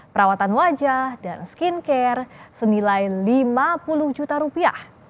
perawatan wajah dan skincare senilai lima puluh juta rupiah